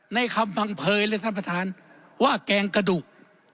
ในคำพังเผยเลยท่านประธานว่าแกงกระดูก